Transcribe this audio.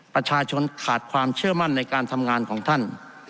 ประชาชนขาดความเชื่อมั่นในการทำงานของท่าน